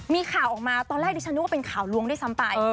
มีข่าวออกมาตอนล่ะดิฉนูเป็นข่าวรวมด้วยซ้ำไป